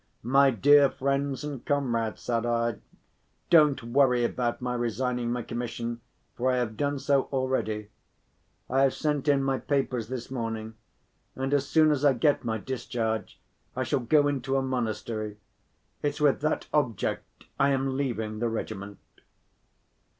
"My dear friends and comrades," said I, "don't worry about my resigning my commission, for I have done so already. I have sent in my papers this morning and as soon as I get my discharge I shall go into a monastery—it's with that object I am leaving the regiment."